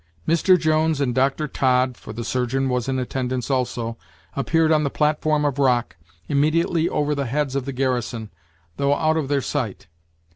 Mr. Jones and Dr. Todd for the surgeon was in attendance also appeared on the platform of rock, immediately over the heads of the garrison, though out of their sight.